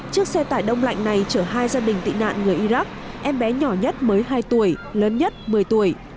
chiếc xe tải đông lạnh này chở hai gia đình tị nạn người iraq em bé nhỏ nhất mới hai tuổi lớn nhất một mươi tuổi